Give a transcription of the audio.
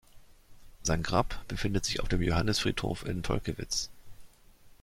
Sein Grab befindet sich auf dem Johannisfriedhof in Tolkewitz.